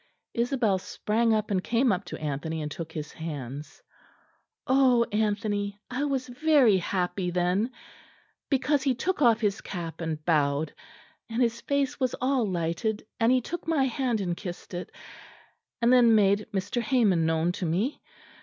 Isabel sprang up, and came up to Anthony and took his hands. "Oh! Anthony; I was very happy then; because he took off his cap and bowed; and his face was all lighted; and he took my hand and kissed it and then made Mr. Hamon known to me.